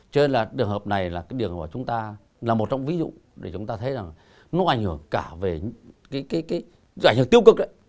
cho nên là trường hợp này là một trong ví dụ để chúng ta thấy rằng nó ảnh hưởng cả về cái ảnh hưởng tiêu cực đấy